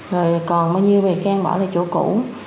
rồi còn bao nhiêu bị can bỏ lại chỗ cũ